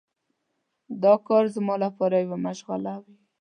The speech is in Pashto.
دا کار زما لپاره یوه مشغله وي.